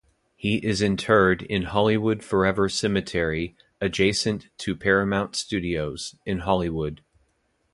He is interred in Hollywood Forever Cemetery, adjacent to Paramount Studios, in Hollywood.